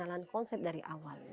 pengenalan konsep dari awal